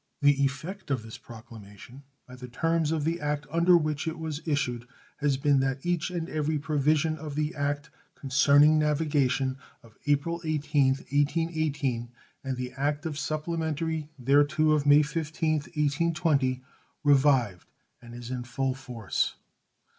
The effect of this proclamation, by the terms of the act under which it was issued, has been that each and every provision of the act concerning navigation of April 18th, 1818, and of the act supplementary thereto of May 15th, 1820, revived and is in full force.